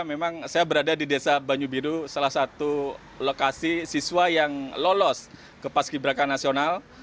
memang saya berada di desa banyubidu salah satu lokasi siswa yang lolos ke paski beraka nasional